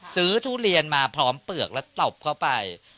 ทุเรียนมาพร้อมเปลือกแล้วตบเข้าไป